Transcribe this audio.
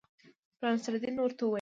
ملا نصرالدین ورته وویل.